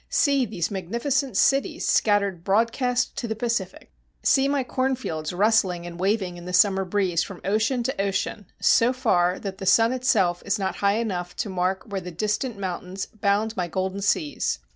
See these magnificent cities scattered broadcast to the Pacific! See my cornfields rustling and waving in the summer breeze from ocean to ocean, so far that the sun itself is not high enough to mark where the distant mountains bound my golden seas.